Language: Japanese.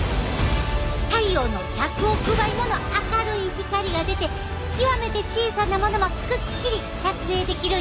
太陽の１００億倍もの明るい光が出て極めて小さなものもくっきり撮影できるんやで！